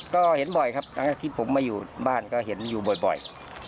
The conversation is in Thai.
ก็เห็นบ่อยครับทั้งที่ผมมาอยู่บ้านก็เห็นอยู่บ่อย